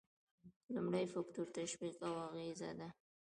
لومړی فکتور تشویق او اغیزه ده.